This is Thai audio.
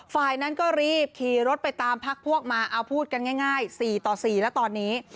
ฝ่ายนั้นก็รีบขี่รถไปตามพักพวกมาเอาพูดกันง่าย๔ต่อ๔แล้วตอนนี้